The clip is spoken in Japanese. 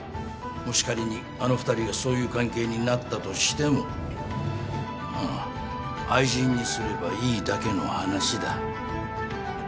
もし仮にあの２人がそういう関係になったとしても愛人にすればいいだけの話だ。